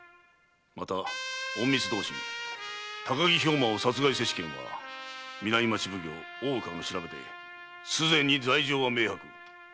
また隠密同心・高木兵馬を殺害せし件は南町奉行・大岡の調べですでに罪状は明白。